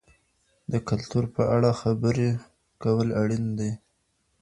د کلتور په اړه خبرې کول اړین دي.